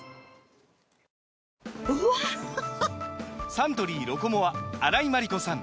サントリー「ロコモア」荒井眞理子さん